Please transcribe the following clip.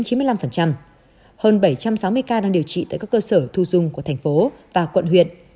hơn bảy trăm sáu mươi ca đang điều trị tại các cơ sở thu dung của thành phố và quận huyện